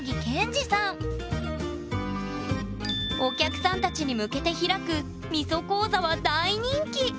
お客さんたちに向けて開くみそ講座は大人気。